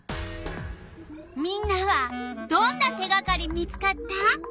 みんなはどんな手がかり見つかった？